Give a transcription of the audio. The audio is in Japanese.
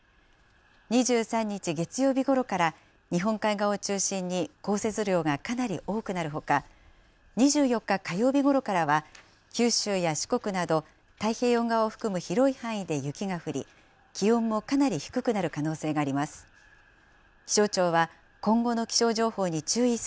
２３日月曜日ごろから日本海側を中心に降雪量がかなり多くなるほか、２４日火曜日ごろからは、九州や四国など、太平洋側を含む広い範囲で雪が降り、気温もかなり低くなる可能性があります。